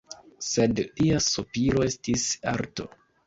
Sed lia sopiro estis arto.